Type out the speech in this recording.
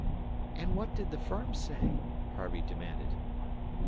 "And what did the firm say?" Harvey demanded.